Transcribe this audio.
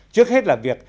trước hết là việc